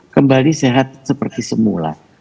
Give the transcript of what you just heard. kembali sehat seperti semula